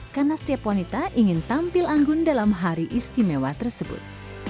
karena setiap wanita ingin tampil anggun dalam hari istimewa tersebut